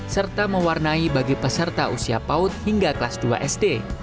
serta mewarnai bagi peserta usia paut hingga kelas dua sd